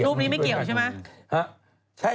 รูปนี้ไม่เกี่ยวใช่ไหม